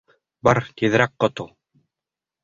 Бар, тиҙерәк ҡотол.